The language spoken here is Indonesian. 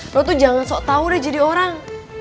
lo tuh jangan sok tau deh jadi orang